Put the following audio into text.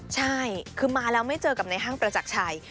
ใช่คือมาแล้วไม่เจอกับในห้างประจักรชัย